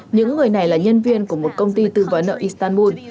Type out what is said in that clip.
những người này là nhân viên của một công ty tư vấn nợ istanbul